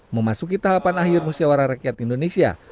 memasuki tahapan akhir musyawarah rakyat indonesia